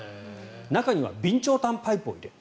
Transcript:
中には備長炭パイプを入れる。